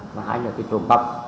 mà hai là cái trộm bắp